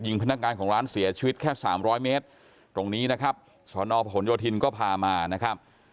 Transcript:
พนักงานของร้านเสียชีวิตแค่สามร้อยเมตรตรงนี้นะครับสอนอพหนโยธินก็พามานะครับ